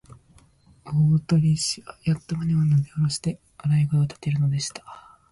大鳥氏はやっと胸をなでおろして、笑い声をたてるのでした。さすがの二十面相も、このげんじゅうな見はりには、かなわなかったとみえますね。